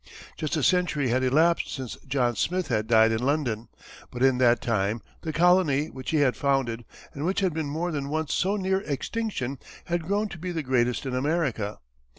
Just a century had elapsed since John Smith had died in London, but in that time the colony which he had founded and which had been more than once so near extinction, had grown to be the greatest in America.